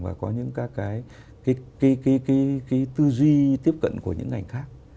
và có những các cái tư duy tiếp cận của những ngành khác